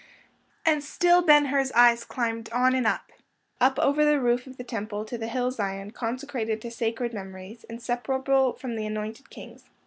And still Ben Hur's eyes climbed on and up—up over the roof of the Temple, to the hill Zion, consecrated to sacred memories, inseparable from the anointed kings.